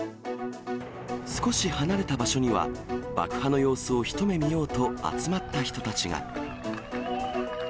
少し離れた場所には、爆破の様子を一目見ようと集まった人たちが。